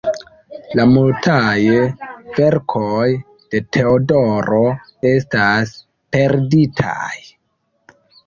La multaj verkoj de Teodoro estas perditaj.